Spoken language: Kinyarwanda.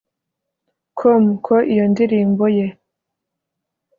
com ko iyo ndirimbo ye